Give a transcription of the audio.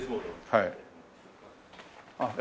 はい。